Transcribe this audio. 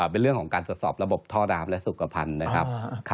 เป็นเรื่องของการตรวจสอบระบบท่อดาบและสุขภัณฑ์นะครับ